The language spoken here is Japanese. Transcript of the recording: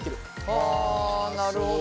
あなるほど。